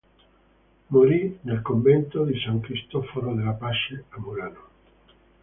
Morì nel convento di San Cristoforo della Pace a Murano.